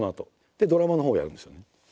でドラマのほうをやるんですよ。